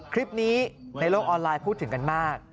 คลิปนี้ในโลกออนไลน์พูดถึงกันมาก